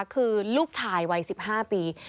คือลูกชายวัย๑๕ปี